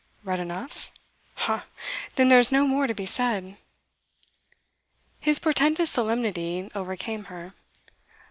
'Read enough? Ha, then there's no more to be said.' His portentous solemnity overcame her.